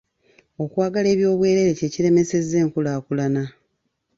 Okwagala eby’obwerere kye kiremesezza enkulaakula.